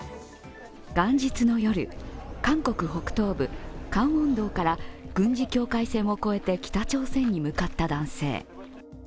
元日の夜、韓国北東部、カンウォンドから軍事境界線を越えて北朝鮮に向かった男性。